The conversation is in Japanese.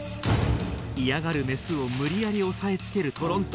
嫌がるメスを無理やり押さえつけるトロント。